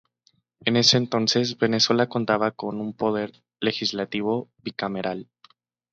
En ese entonces, Venezuela contaba con un poder legislativo bicameral.